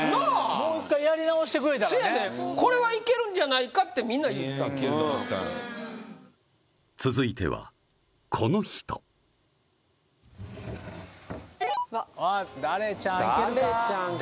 もう一回やり直してくれたらねせやねんこれはいけるんじゃないかってみんな言ってたんですけど続いてはこの人あっダレちゃんいけるか？